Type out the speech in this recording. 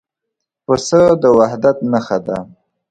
پسه د وحدت نښه ده.